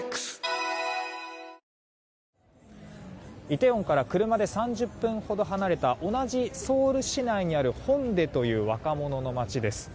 イテウォンから車で３０分ほど離れた同じソウル市内にあるホンデという若者の街です。